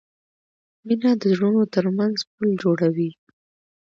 مینه د زړونو ترمنځ پل جوړوي.